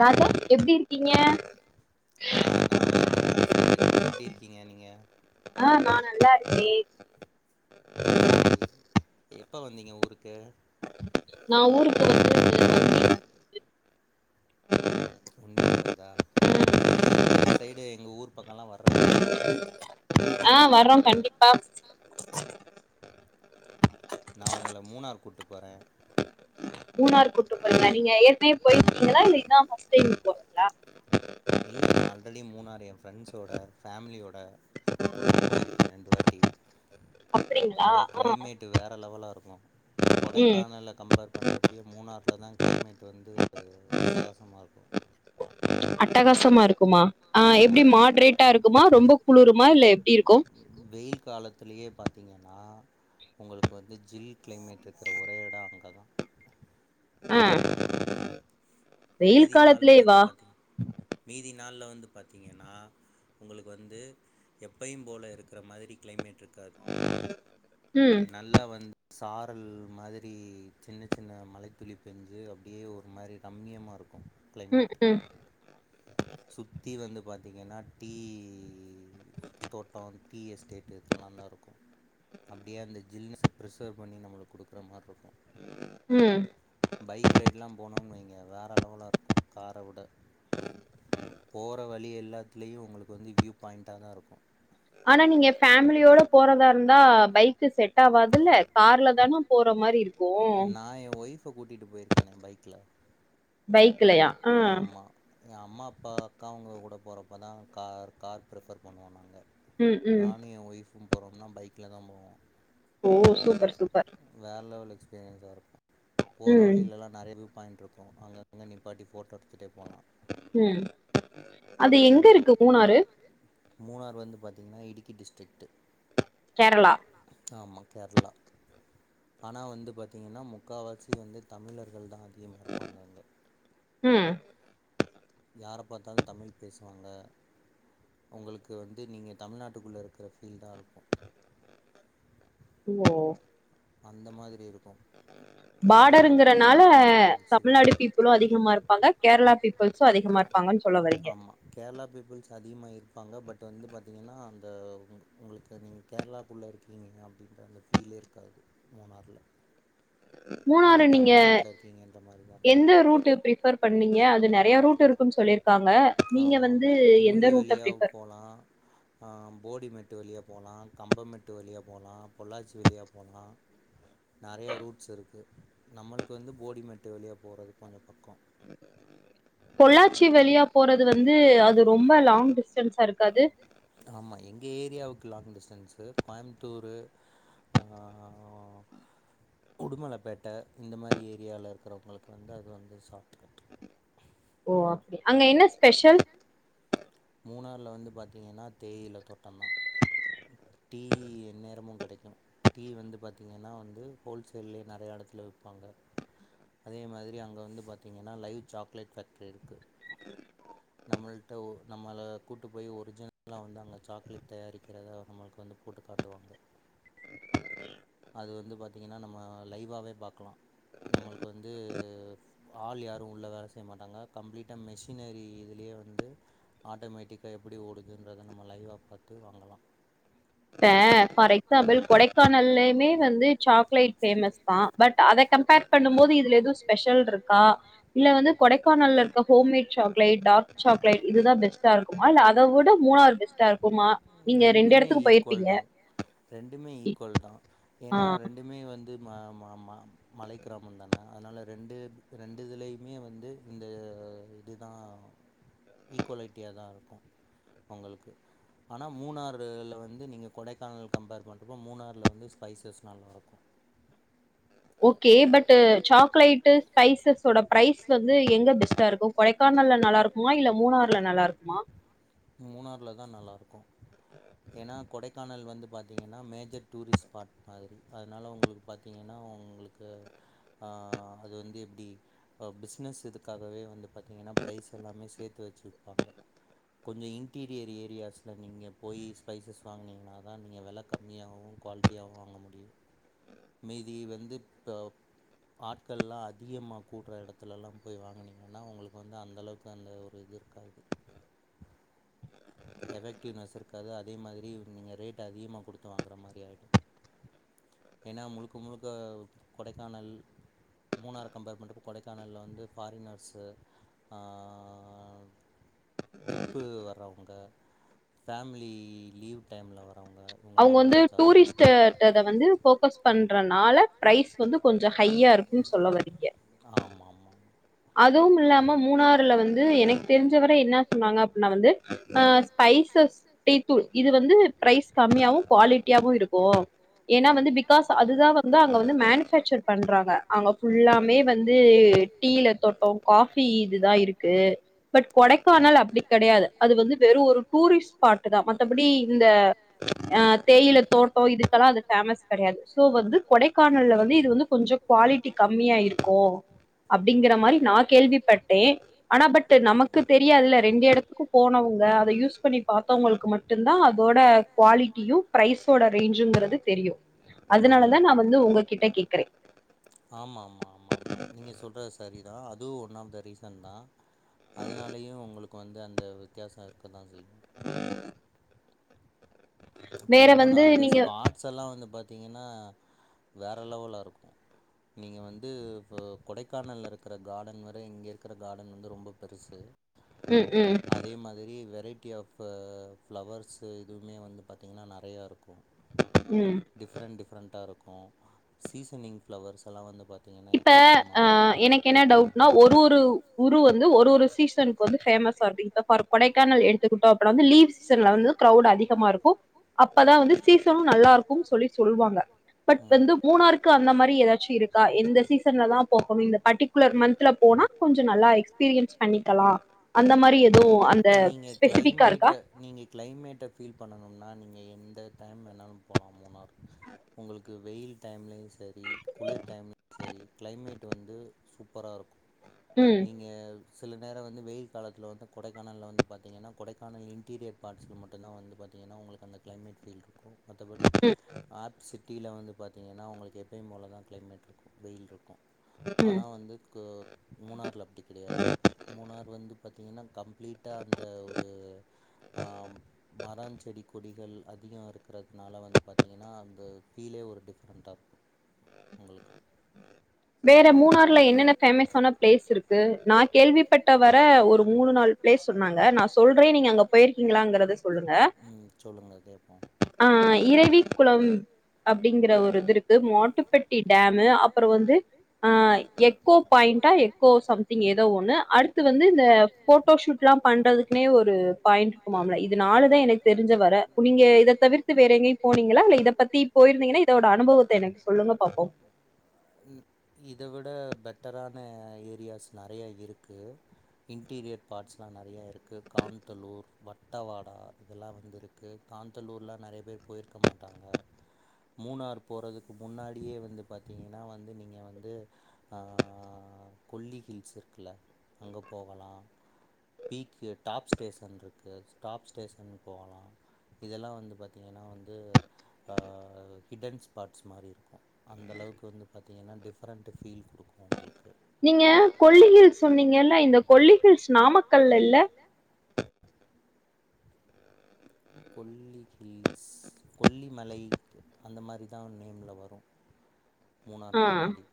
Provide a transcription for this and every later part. ராதா எப்டி இருக்கிங்க ஆ நா நல்லா இருக்கே எப்ப வந்திங்க ஊருக்கு நா ஊருக்கு வந்து [inaudible] ஒன் வீக் ஆகுதா செரி இந்த சைடு எங்க ஊர் பக்கலா வர்ற து ஆ வர்றோ கண்டிப்பா நா உங்கள மூணார் கூட்டு போற மூனார் கூட்டு போறிங்ளா நீங்க ஏற்கனவே போயிருக்கிங்களா இல்ல இதா ஃபஸ்ட் டைம் போறிங்ளா இல்ல நா ஆல்ரெடி மூணாறு ஏ ஃப்ரெண்ட்ஸோட ஃபேமிலியோட போயிருக்கே ரெண்டு வாட்டி அங்க க்ளைமேட்டு் வேற லெவலா இருக்கு கொடைக்கானல கம்பேர் பண்றப்பயு மூணாறுல தா கிளைமேட் வந்து து அட்டகாசமா இருக்கு அட்டகாசமா இருக்குமா ஆ எப்டி மாட்ரேட்டா இருக்குமா ரொம்ப குளுருமா இல்ல எப்டி இருக்கு வெயில் காலத் பாத்திங்கனா உங்களுக்கு வந்து ஜில் கிளைமேட் இருக்கற ஒரே எட அங்க தா ஆ மீதி நாள்ல வந்து பாத்தி மீதி நாள் ல வந்து பாத்திங்கனா உங்களுக்கு வந்து எப்பயும் போல இருக்கற மாதிரி கிளைமேட் இருக் காது நல்லா வந்து சாரல் மாதிரி சின்ன சின்ன மலைத்துளி பெஞ்சு அப்டியே ஒரு மாரி ரம்யமா கிளைமேட் சுத்தி வந்து பாத்திங்கனா டீ தோட்டோ டீ எஸ்டேட் இதெல்லாந்தா இருக்கு அப்டியே அந்த ஜில்னஸ ப்ரிசர்வ் பண்ணி நம்மளுக்கு குடுக்குற மார் இருக் கு பைக் ரைடுலா போனோன் வைங்க வேற ற லெவலா இருக்கு கார வுட போற வழி எல்லாத்துலயு உங்களுக்கு வந்து வியூ பாயிண்டா தா இருக்கு ஆனா நீங்க ஃபேமிலியோட போறதா இருந்தா பைக்கு செட் ஆவாதுல்ல கார்ல தான போற மாரி இருக் நா எ ஒய்ஃப கூட்டிட்டு போயிருக்கேனே பைக்ல பைக்லயா ஆ எ அம்மா அப்பா அக்காவுங்க கூட போறப்ப தா கார் கார் ப்ரிஃபர் பண்ணுவோ நாங்க நானு எ ஒய்ஃபு போறோன்னா பைக்ல தா போவோ ஓ சூப்பர் சூப்பர் இருக்கு போற வழிலலா எல்லா நெறய வியூ பாயிண்ட்ருக்கு அங்கங்க நிப்பாட்டி ஃபோட்டோ எடுத்துட்டே போலா ம் அது எங்கருக்கு மூணாறு மூணார் வந்து பாத்திங்னா இடுக்கி டிஸ்ட்ரிக்ட் கேரளா கேரளா ஆனா வந்து பாத்திங்கன்னா முக்காவாசி வந்து தமிழர்கள் தா அது ம் யாரப் பாத்தாலு தமிழ் பேசுவாங்க உங்களுக்கு வந்து நீங்க தமிழ்நாட்டுக்குள்ள இருக்குற ஃபீல் தா இருக்கு ஓ அந்த மாதிரி இருக்கு பாடர்ங்கறனால தமிழ்நாடு பீப்புளு அதிகமா இருப்பாங்க கேரளா பீப்புள்ஸு அதிகமா இருப்பாங் ஆமா கேரளா பீப்பிள்ஸ் அதிகமா இரு ப்பாங்க பட் வந்து பாத்திங்கனா அந்த உங் உங்ளுக் நீங்க கேரளாக்குள்ள இருக்கிறிங்க அப்டின்ற அந்த ஃபீலே இரு க்காது மூணார்ல மூணாறு நீங்க எந்த ரூட் ப்ரிஃபர் பண்விங்க அது நெறயா ரூட் இருக்குன் சொல் சொல்லிர்க்காங்க நீங்க வந்து எந்த ரூட்ட ப்ரிஃபர் ஆ போடிமெட்டு வழியா போலா கம்பமெட்டு வழியா போலா பொள்ளாச்சி வழியாப் போலா நெறயா ரூட்ஸ் இருக்கு நம்மளுக்கு வந்து போடிமெட்டு வழியா போறது கொஞ்சோ பக்கோ பொள்ளாச்சி வழியா போறது வந்து அது ரொம்ப லா ங்டிஸ்டன்ஸ்ஸா இருக்காது உங்க ஏரியாவுக்கு லாங் டிஸ்டன்ஸு கோயமுத்தூரு ஆ உடுமலப்பேட்ட இந்த மாரி ஏரியாலருக்கிறவங்களுக்கு வந்து அது வந்து ஷட் ஓ அப்டி அங்க என்ன ஸ்பெஷல் மூணார்ல வந்து பாத்திங்கன்னா தேயில தோட்டந்தா டீ எந்நேரமு கெடைக்கு டீ வந்து பாத்திங்கன்னா வந்து ஹோல் சேல்லயே நெறய எடத்துல விப்பாங்க அதே மாத்ரி அங்க வந்து பாத்திங்கன்னா லைவ் சாக்லேட் பேஃக்ட்ரி இருக்கு நம்மள்ட்ட ஒ நம்மள கூட்டு போய் ஒரிஜினலா வந்து அங்க சாக்லேட் தயாரிக்கிறத நம்மளுக்கு வந்து போட்டு காட்டுவாங்க அது வந்து பாத்திங்கன்னா நம்ம லைவாவே பாக்கலா நம்மள்க்கு வந்து ஆள் யாரு உள்ள வேல செய்ய மாட்டாங்க கம்ளீட்டா மெஷினரி இதுல யே வந்து ஆட்டோமேட்டிக்கா எப்டி ஓடுதுன்றத நம்ம லைவா பாத்து வாங்கலா ஃபேமஸ் தா பட் அத கம்ப்பேர் பண்ணு மோது இதுல எது ஸ்பெஷல்ருக்கா இல்ல வந்து கொடைக்கானல்லருக்க ஹோம்மேட் சாக்லேட் டார்க் சாக்லேட் இதுதா பெஸ்டாருக்குமா இல்ல அத உட மூணாரு பெஸ்ட்டாருக்குமா நீங்க ரெண்டு எடத்துக்கு போயிற் ஹோல் டவுன் ரெண்டுமே ஈக்வல் தா ஏனா ரெண்டுமே வந்து மா மா மா அதனால ரெண்டு ரெண்டு இதுலயுமே வந்து இந்த இதுதா ஈக்குவாலிட்டியா தா இருக்கு ஒங்களுக்கு ஆனா மூணாறுல வந்து நீங்க கொடைக்கானல் கம்ப்பேர் பண்றப்போ மூணார்ல வந்து ஸ்பைசஸ் நல்லாருக்கு ஓக்கே பட்டு சாக்லேட்டு ஸ்பைசஸோட ப்ரைஸ் வந்து எங்க பெஸ்ட்டாருக்கு கொடைக்கா னல்ல நல்லாருக்குமா இல்ல மூணார்ல நல்லாருக்குமா மூணார்ல தா நல்லாருக்கு ஏனா கொடைக் கானல் வந்து பாத்திங்கன்னா மேஜர் டூரிஸ்ட் ஸ்பாட் மாத்ரி அதனால உங்களுக்கு பாத்திங்கன்னா உங்களுக் கு ஆ அது வந்து எப்டி ஆ பிஸ்னஸ் இதுக்காகவே வந்து பாத்திங்ன்னா ப்ரைஸ் எல்லாமே சேத்து வச்சி விப்பாங்க கொஞ்சோ இன்டீரியர் ஏரியாஸில நீங்கள் போய் ஸ்பைசஸ் வாங்கனீங்கனா தா நீங்க வெல கம்மியாவு குவாலிட்டியாவு வாங்க முடியு மீதி வந்து இப்போ ஆட்கள்லா அதிகமாக குடுற எடத்துலல்லா போய் வாங்கனீங்கன்னா உங்களுக்கு வந்து அந்த அளவுக்கு அந்த ஒரு இது இருக்காது எபெக்டிவ்னஸ் இருக் காது அது அதே மாத்ரி நீங்க ரேட் அதிகமா குடுத்து வாங்கற மாரி ஆயிடு ஏன்னா முழுக்க முழுக்க கொடைக்கானல் மூணார கம்பேர் பண்ணறப்போ கொடைக்கானல்ல வந்து ஃபாரினர்ஸு ஆ ட்ரிப்பு வர்றவங்க ஃபேமிலி லீவ் டைம்ல வர அவுங்க வந்து டூரிஸ்ட்டு [unintelligible] வந்து ஃபோக்கஸ் பண்றனால பிரைஸ் வந்து கொஞ்சோ ஹைய்யா இருக்குன் சொல்ல வரீங்க அதுவு இல்லாம மூணாருல வந்து எனகு தெரிஞ்சவர என்னா சொன்னாங்க அப்ன்னா வந்து அ ஸ்பைசஸ் டீதூள் இது வந்து பிரைஸ் கம்மியாவு குவாலிட்டியாவு இருக்கு ஏன்னா வந்து பிகாஸ் அதுதா வந்து அங்க வந்து மேனுஃபேசர் பண்றாங்க அங்க ஃபுல்லாமே வந்து [unintelligible] டீல [unintelligible] காஃபி இதுதா இருக்கு பட் கொடைக்கானல் அப்டி கெடையாது அது வந்து வெறு டூரிஸ்ட் ஸ்பாட்டு தா மத்தபடி இந்த அ தேயில தோட்ட இதுக்கெல்லா அது ஃபேமஸ் கெடயா து சோ வந்து கொடைக்கானல்ல வந்து இது வந்து கொஞ்சோ குவாலிட்டி கம்மியா இருக்கு அப்டிங்கிற மாரி நான் கேள்விப்பட்டேன் ஆனா பட் நமக்கு தெரியாதுல ரெண்டு இடத்துக்கும் போனவங்க அத யூஸ் பண்ணி பார்த்தவங்களுக்கு மட்டும் தான் அதோட குவாலிட்டியும் பிரைஸோட ரேஞ்சுங்கிறது தெரியும் அதனாலதான் நான் வந்து உங்ககிட்ட கேக்குறே ஆமா ஆமா ஆமா ஆமா நீங்க சொல்றது சரி தான் அதுவும் ஒன் ஆப் த ரீசன் தான் அதனாலயும் உங்களுக்கு வந்து அந்த வித்தியாச இருக்கு அப்புறம் இன்னொன்னு அங்கே ஸ்பாட்ஸ் எல்லா வந்து பார்த்தீங்கன்னா வேறு லெவலாக இருக்கு [inaudible] நீங்க வந்து இப்போ கொடைக்கானல்ல இருக்கிற கார்டன் வரை இங்கே இருக்கிற கார்டன் வந்து ரொம்ப பெருசு அதே மாதிரி வெரைட்டி ஆஃப் ஃப்ளவர்ஸ் இதுவுமே வந்து பார்த்திங்கன்னா நறையா இருக்கு டிஃப்ரெண்ட் டிஃப்ரெண்ட்டாக இருக்கு சீசனிங் பிளவர்ஸ் எல்லா வந்து பாத் இப்ப எனக்கு என்ன டவுட்னா ஒரு ஒரு உரு வந்து ஒரு ஒரு சீசனுக்கு வந்து பேமஸ் சஃர் [unintelligible] கொடைக்கானல் எடுத்துக்கிட்டோ அப்ப லீவ் சீசன் வந்து க்ரவுட் அதிகமா இருக்கு அப்பதான் வந்து சீசனும் நல்லா இருக்கும் சொல்லி சொல்வாங்க பட் வந்து மூணாருக்கு அந்த மாதிரி ஏதாச்சு இருக்கா எந்த சீசன்ல தான் போகணு இந்த பர்ட்டிகுலர் மந்த்ல போனா கொஞ்ச நல்லா எக்ஸ்பீரியன்ஸ் பண்ணிக்கலா அந்த மாதிரி எதுவு அந்த நீங்க கிளைமேட்ட நீங்க கிளைமேட்டை ஃபீல் பண்ணணும்னா நீங்க இந்த டைம் என்னன்னு போலா மூன்னார் உங்களுக்கு வெயில் டைம்லய சரி குளிர் டைம்ல சரி கிளைமேட் வந்து சூப்பரா இருக்கு நீங்க சில நேரம் வந்து வெயில் காலத்துல வந்து கொடைக்கானல வந்து பாத்திங்கன்னா கொடைக்கான இன்டீரியர் பாட்ஸல மட்டும்தான் வந்துபாத்திங்கன்னா உங்களுக்கு அந்த கிளைமட் ஃபீல் இருக்கு மத்தபடி ஆப் சிப் ஊட்டியில வந்து பார்த்திங்கன்னா உங்களுக்கு எப்பயும் போல தான் கிளைமேட் இருக்கு வெயில் இருக்கு ஆனா வந்து மூணார்ல அப்படி கிடையாது மூணார் வந்து பாத்தீங்கன்னா க இந்த ஒரு ஆ மரஞ் செடி கொடிகள் அதிக இருக்கிறதுனால வந்து பாத்தீங்கன்னா அந்த ஃபீலே ஒரு டிஃப்ரெண்ட்டா இருக்கு ஆ [inaudible] வேற மூணாார்ல என்னென்ன பேமஸ் ஆன பிளேஸ் இருக்கு நான் கேள்விப்பட்ட வர ஒரு மூணு நாள் பிளேஸ் சொன்னாங்க நான் சொல்றே நீங்க அங்க போயிருக்கீங்களாங்கறத சொல்லுங்க ஆ இரவி குளம் அப்பிடிங்கற ஒரு இது இருக்கு மாட்டுப்பட்டி டாமு அப்புற வந்து எக்கோ பாயிண்டா எக்கோ சம்திங் ஏதோ ஒண்ணு அடுத்து வந்து இந்த ஃபோட்டோ ஷூட் எல்லாம் பண்றதுக் க்குன்னே ஒரு பாயிண்ட் இருக்குமாம்ல இது நாலுதான் எனக்கு தெரிஞ்ச வர நீங்க இதத் தவிர்த்து வேற எங்கேயும் போனீங்களா இத பத்தி போயிருந்தீங்கன்னா இதோட அனுபவத்த எனக்கு சொல்லுங்க பாப்போம் இத விட பெட்டரான ஏரியாஸ் நெறைய இருக்கு இன்டீரியர் பார்ட்ஸ்லா நெறைய இருக்கு இருக் காந்தலூர் வட்டவாடா இதெல்லா வந்து இருக்கு காந்தலூர்லா நெறைய பேர் போயிருக்க மாட்டா டாங்க மூணார் போறதுக்கு முன்னாடியே வந்து பாத்தீங்கன்னா வந்து நீங்க வந்து ஆ கொல்லி ஹில்ஸ் இருக்குல அங்கே போகலா பீக் டாப் ஸ்டேஷன் இருக்கு டாப் ஸ்டேஷன் போகலா இதெல்லா வந்து பாத்தீங்கன்னா வந்து ஆ ஹிடன் ஸ்பாட்ஸ் மாரி இருக்கு அந்த அளவுக் அளவுக்கு வந்து பார்த்தீங்கன்னா டிஃப்ரண்ட் ஃபீல் குடுக்கு உங்களுக் நீங்க கொல்லி ஹில்ஸ் சொன்னீங்கல்ல இந்த கொல்லி ஹில்ஸ் நாமக்கல்லல்ல கொல்லி ஹில்ஸ் கொல்லி மலை அந்த மாதிரிதான் நேம்ல வரும் மூணாறுக்கு முன்னாடி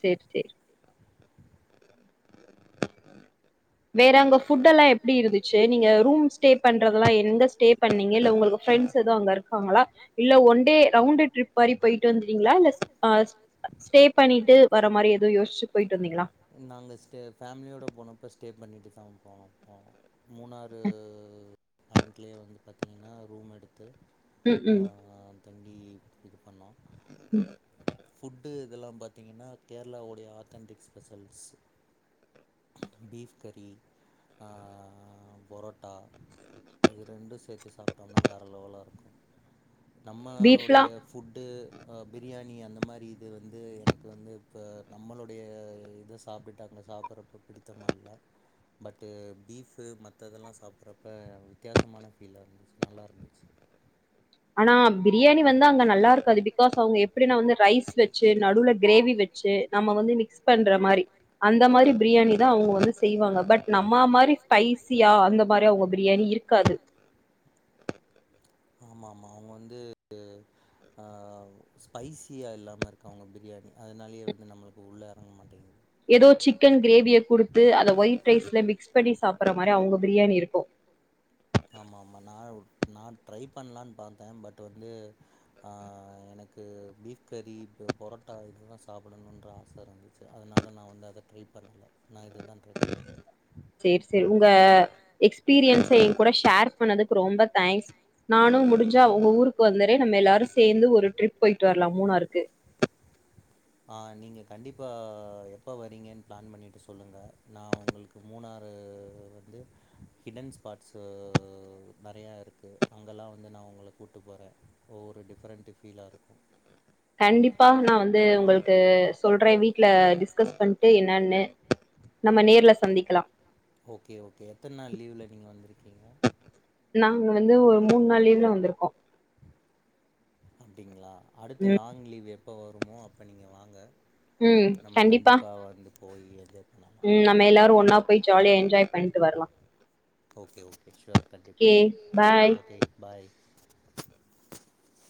சேரி சேரி வேற அங்க ஃபுட்டு எல்லாம் எப்பிடி இருந்துச்சு நீங்க ரூம் ஸ்டே பண்றதெல்லாம் எங்க ஸ்டே பண்ணீங்க இல்ல உங்களுக் ஃப்ரெண்ட்ஸ் எதுவு அங்க இருக்காங்களா இல்ல ஒன் டே ரவுண்ட் ட்ரிப் மாரி போயிட்டு வந்துட்டீங்களா இல்ல ஆஸ் ஸ்டே பண்ணிட்டு வர மாதிரி எதும் யோசிச்சு போயிட்டு வந்தீங்களா நாங்க ஸ்டே ஃபேமிலியோடப் போனப்போ ஸ்டே பண்ணிட்டு தான் போனோம் போனோ மூணாறு அங்க்லே வந்து பாத்தீங்கன்னா ரூம் எடுத்து ஆஹ் தங்கி இது பண்ணோம் [inaudible] புட்டு இதெல்லாம் பாத்தீங்கன்னா கேரளாவுடைய ஆத்தென்டிக் ஸ்பெஷல்ஸ் பீஃப் கறி ஆஹ் ஹா பொரோட்டா இது ரெண்டும் சேர்த்து சாப்பிட்டோன்னா வேற லெவலா இருக்கும் நம்ம உடைய ஃபுட்டு அஹ் பிரியாணி அந்த மாரி இது வந்து எனக்கு வந்து இப்ப நம்மளுடைய இத சாப்பிட்டுட்டு‌ அங் சாப்பிட்றக்கு பிடித்தமா இல்ல பட்டு பீஃபு மத்ததெல்லாம் சாப்பிட்றப்ப வித்தியாசமான ஃபீலா இருந்துச்சு நல்லா இருந்துச்சு ஆனா பிரியாணி வந்து அங்க நல்லா இருக்காது பிகாஸ் அவங்க எப்பிடின்னா வந்து ரைஸ் வச்சு நடுவுல கிரேவி வெச் சு நம்ம வந்து மிக்ஸ் பண்ற மாரி அந்த மாரி பிரியாணி தான் அவுங்க வந்து செய்வாங்க பட் நம்ம மாரி ஸ்பைசியா அந்த மாரி அவுங்க பிரியாணி இருக்காது ஆம ஆமா அவுங்க வந்து ஆஹ் ஸ்பைசியா இல்லாம இருக்கு அவுங்க பிரியாணி அதனாலேயே வந்து நம்மளுக்கு உள்ள எறங்க மாட்டேங்குது ஏதோ சிக்கன் கிரேவியை குடுத்து அத ஒயிட் ரைஸ்ல மிக்ஸ் பண்ணி சாப்பிடற மாரி அவங்க பிரியாணி இருக்கும் ஆமா ஆமா நாவு நான் ட்ரை பண்ணலான்னு பார்த்தேன் பட் வந்து ஆஹ் எனக் கு பீஃப் கறி பொரோட்டா இதுதான் சாப்பிடணும்ற ஆச இருந்துச்சு அதனால நான் வந்து அத ட்ரைப் பண்ணல நான் இ சேரி சேரி உங்க எக்ஸ்பீரியன்ஸ எ கூட ஷே ஷேர் பண்ணதுக்கு ரொம்ப தாங்க்ஸ் நானும் முடிஞ்சா உங்க ஊருக்கு வந்துறே நம்ம எல்லாரும் சேர்ந்து ஒரு ட்ரிப் போயிட்டு வரலா மூணாறுக்கு ஆஹ் நீங்க கண்டிப்பா எப்போ வரீங்கன்னு பிளான் பண்ணிட்டு சொல்லுங்க நான் உங்களுக்கு மூணாறு ந்து ஹிட்டன் ஸ்பாட்ஸு நெறையா இருக்கு அங்கெல்லாம் வந்து நா உ உங்கள கூட்டு போறேன் ஒவ்வொரு டிஃப்ரெண்ட் ஃபீலா இருக்கும் கண்டிப்பா நான் வந்து உங்களுக்கு சொல்றேன் வீட்டுல டிஸ்கஸ் பண்ணிட்டு என்னன்னு நம்ம நேர்ல சந்திக்கலா ஓகே ஓகே எத்தனை நாள் லீவ்ல நீங்க வந்திருக்கீங்க வந்து ஒரு மூணு நாள் லீவ்ல வந்திருக்கோம் அப்டிங்களா அடுத்து லாங் லீவ் எப்ப வருமோ அப்ப நீங்க வாங்க ம் கண்டிப்பா போயியது உம் நம்ம எல்லாரும் ஒன்னா போய் ஜாலியா என்ஜாய் பண்ணிட்டு வரலாம் ஓகே ஓகே ஷுயுர் கண்டிப்பா ஓகே பாய் [inaudible]